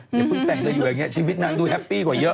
เหมือนพึ่งแต่งตัวอยู่อย่างเงี้ยชีวิตนางดูแฮปปี้กว่าเยอะ